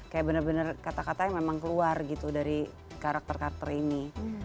kayak bener bener kata kata yang memang keluar gitu dari karakter karakter ini